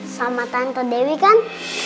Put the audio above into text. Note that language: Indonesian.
sama tante dewi kan